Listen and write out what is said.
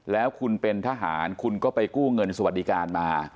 แล้วคุณเป็นทหารคุณก็ไปกู้เงินสวัสดิการมา